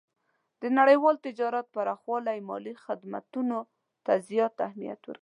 د نړیوال تجارت پراخوالی مالي خدمتونو ته زیات اهمیت ورکړی دی.